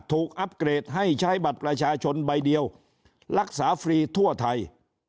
อัปเกรดให้ใช้บัตรประชาชนใบเดียวรักษาฟรีทั่วไทย